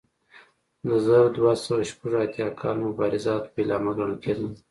د زر دوه سوه شپږ اتیا کال مبارزات پیلامه ګڼل کېده.